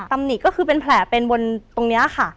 ตำหนิก็คือเป็นแผลเป็นบนตรงนี้ค่ะ